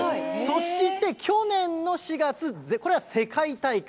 そして、去年の４月、これは世界大会。